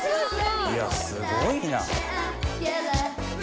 いやすごいな！